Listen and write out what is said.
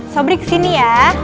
sobri kesini ya